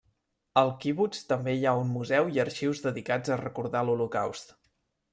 Al quibuts també hi ha un museu i arxius dedicats a recordar l'Holocaust.